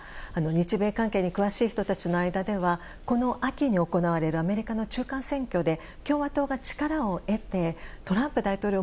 日米関係に詳しい人たちの間ではこの秋に行われるアメリカの中間選挙で共和党が力を得てトランプ大統領